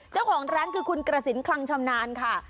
เจ้าของร้านคือคุณกระสินคลังชำนาญค่ะ